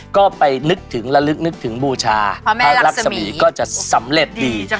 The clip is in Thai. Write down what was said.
ก็ไปนึกถึงระลึกนึกถึงบูชาพระรักษมีก็จะสำเร็จดี